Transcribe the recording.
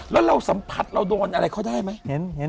ว่าเราสัมผัสเราโดนอะไรของได้ไหม